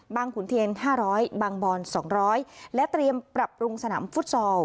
ขุนเทียน๕๐๐บางบอน๒๐๐และเตรียมปรับปรุงสนามฟุตซอล